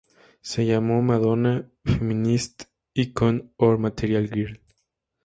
Se le llamó "Madonna: Feminist Icon or Material Girl?